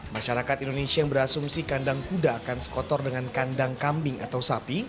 masyarakat indonesia yang berasumsi kandang kuda akan sekotor dengan kandang kambing atau sapi